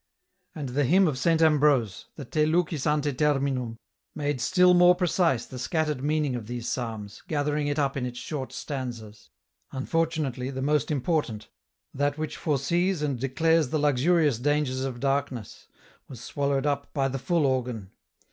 And the hymn of Saint Ambrose, the " Te lucls ante terminum," made still more precise the scattered meaning of these psalms, gathering it up in its short stanzas. Un fortunately, the most important, that which foresees and declares the luxurious dangers of darkness, was swallowed up by the full organ.